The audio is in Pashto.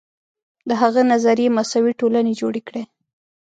د هغه نظریې مساوي ټولنې جوړې کړې.